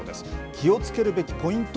気をつけるべきポイント